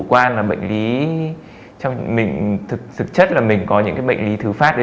quan là bệnh lý cho mình thực chất là mình có những cái bệnh lý thứ phát đấy